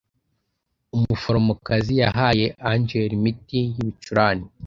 Umuforomokazi yahaye angel imiti y’ibicurane.